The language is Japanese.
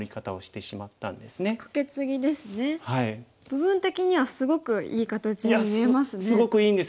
部分的にはすごくいい形に見えますね。